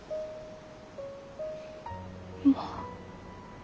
まあ。